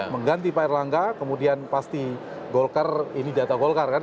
mengganti pak erlangga kemudian pasti golkar ini data golkar kan